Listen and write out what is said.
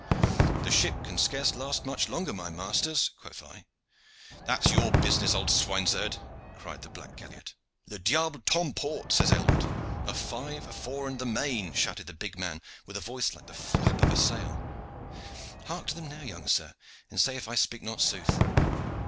'The ship can scarce last much longer, my masters,' quoth I. 'That is your business, old swine's head,' cried the black galliard. 'Le diable t'emporte,' says Aylward. 'A five, a four and the main,' shouted the big man, with a voice like the flap of a sail. Hark to them now, young sir, and say if I speak not sooth."